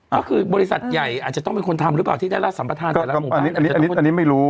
ก็คือบริษัทใหญ่อาจจะต้องเป็นคนทำหรือเปล่าที่ได้รับสัมประธานแต่ละหมู่บ้านอันนี้ไม่รู้